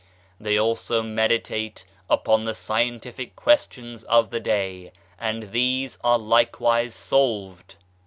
They also meditate upon the scientific questions of the day, and these are likewise solved.